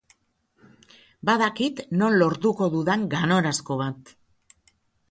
Badakit non lortuko dudan ganorazko bat.